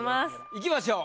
いきましょう。